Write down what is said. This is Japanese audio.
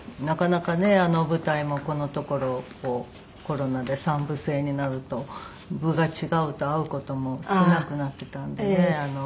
なかなかね舞台もこのところコロナで３部制になると部が違うと会う事も少なくなってたんでね